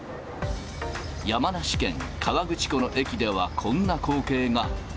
山梨県河口湖の駅では、こんな光景が。